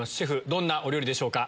どんなお料理でしょうか。